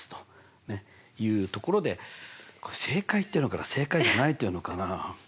ねっいうところでこれ正解っていうのかな正解じゃないっていうのかな。